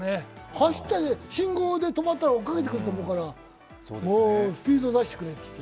走って、信号で止まったら追いかけてくると思うから、もうスピード出してくれって言って。